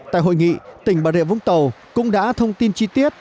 tại hội nghị tỉnh bà rịa vũng tàu cũng đã thông tin chi tiết